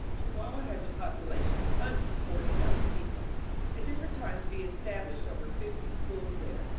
Chihuahua has a population of under 40,000 people. At different times Villa estab lished over fifty schools there.